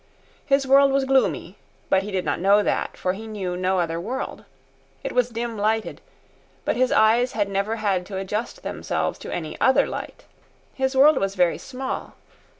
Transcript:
His world was gloomy; but he did not know that, for he knew no other world. It was dim lighted; but his eyes had never had to adjust themselves to any other light. His world was very small.